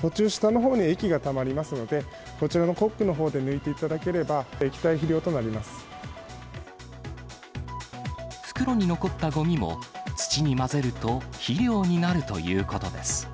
途中、下のほうに液がたまりますので、こちらのコックのほうで抜いてい袋に残ったごみも、土に混ぜると肥料になるということです。